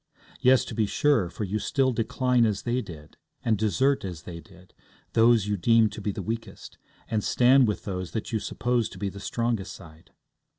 Yes, to be sure, for you still decline as they did, and desert as they did, those you deem to be the weakest, and stand with those that you suppose to be the strongest side.